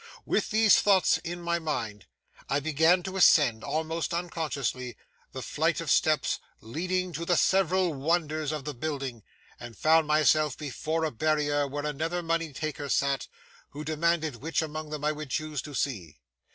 With these thoughts in my mind, I began to ascend, almost unconsciously, the flight of steps leading to the several wonders of the building, and found myself before a barrier where another money taker sat, who demanded which among them I would choose to see.